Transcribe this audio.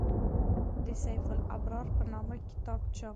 د «سیف الابرار» په نامه کتاب چاپ کړ.